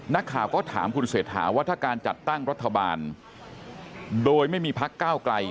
นักข่าวก็ถามคุณเศรษฐาว่าถ้าการจัดตั้งรัฐบาลโดยไม่มีพักก้าวไกล